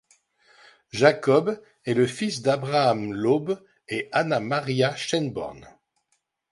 Jakob est le fils d'Abraham Laub et Anna Maria Schenborn.